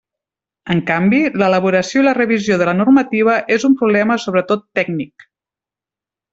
En canvi, l'elaboració i la revisió de la normativa és un problema sobretot tècnic.